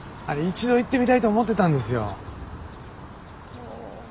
一度行ってみたいと思ってたんですよ。